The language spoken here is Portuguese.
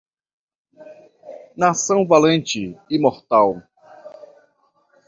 Nação valente, imortal